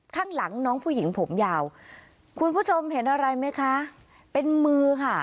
ข้างหลังน้องผู้หญิงผมยาวคุณผู้ชมเห็นอะไรไหมคะเป็นมือค่ะ